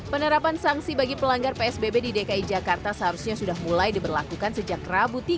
penerapan sanksi bagi pelanggar psbb di dki jakarta seharusnya sudah mulai diberlakukan sejak rabu tiga